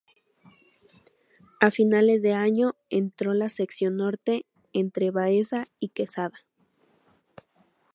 A finales de año entró la sección norte, entre Baeza y Quesada.